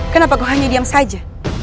kenapa kau hanya diam saja